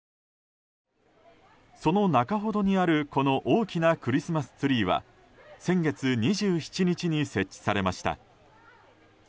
その中ほどにあるこの大きなクリスマスツリーは先月２７日に設置されました。